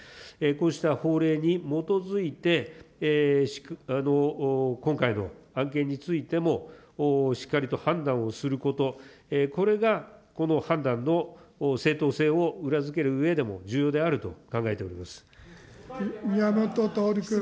こうした法令に基づいて、今回の案件についても、しっかりと判断をすること、これがこの判断の正当性を裏付けるうえでも重要であると考えてお宮本徹君。